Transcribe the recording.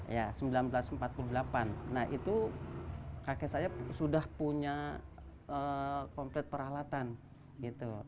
ya seribu sembilan ratus empat puluh delapan nah itu kakek saya sudah punya komplit peralatan gitu